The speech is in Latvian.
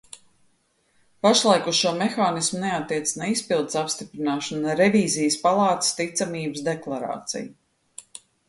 Pašlaik uz šo mehānismu neattiecas ne izpildes apstiprināšana, ne Revīzijas palātas ticamības deklarācija.